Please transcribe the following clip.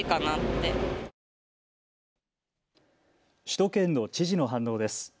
首都圏の知事の反応です。